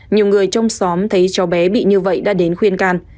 nhiều người trong xóm thấy cháu bé bị như vậy đã đến khuyên can